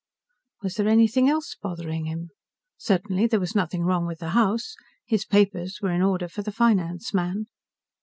Was there anything else bothering him? Certainly there was nothing wrong with the house. His papers were in order for the finance man.